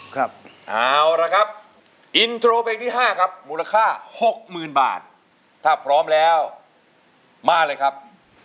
ครับเอาละครับอินโทรเพลงที่๕ครับมูลค่า๖๐๐๐บาทถ้าพร้อมแล้วมาเลยครับ